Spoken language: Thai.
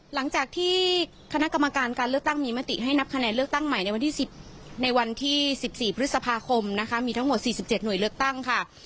หลังจากที่คณะกรรมการการเลือกตั้งมีมติให้นับคะแนนเลือกตั้งใหม่ในวันที่๑๔พฤษภาคมนะคะมีทั้งหมด๔๗หน่วยเลือกตั้งค่ะ